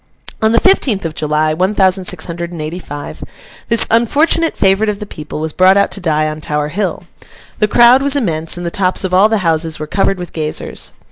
On the fifteenth of July, one thousand six hundred and eighty five, this unfortunate favourite of the people was brought out to die on Tower Hill. The crowd was immense, and the tops of all the houses were covered with gazers.